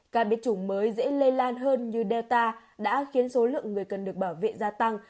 ca biết chủng mới dễ lây lan hơn như delta đã khiến số lượng người cần được bảo vệ gia tăng